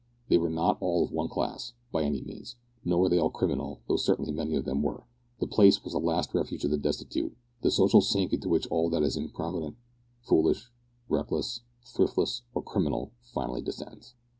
They were not all of one class, by any means; nor were they all criminal, though certainly many of them were. The place was the last refuge of the destitute; the social sink into which all that is improvident, foolish, reckless, thriftless, or criminal finally descends.